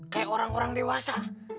kayak orang orang dewasa